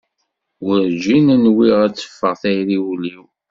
Werǧin nwiɣ ad teffeɣ tayri ul-iw.